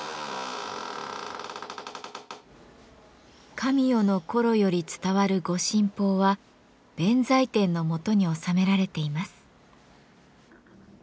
神代の頃より伝わる御神宝は弁財天の元に納められています。